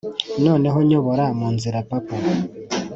noneho nyobora munzira papa,